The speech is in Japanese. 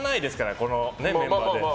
このメンバーで。